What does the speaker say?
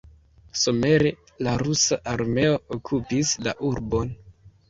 Somere la rusa armeo okupis la urbon.